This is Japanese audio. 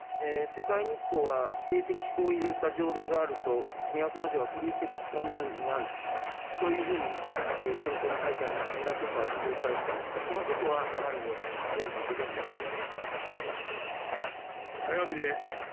世界日報は、性的しこうを入れた条例があると、都城はフリーセックスコミューンになる、そういうふうに、ここに書いてあるようにビラとか運動されてたんですか、そのことは長峯政務官、ご存じでしたか。